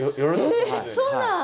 えそうなん！